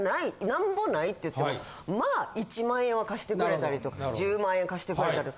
なんぼないって言ってもまあ１万円は貸してくれたりとか１０万円貸してくれたり。